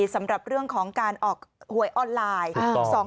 สำหรับเรื่องของการออกหวยออนไลน์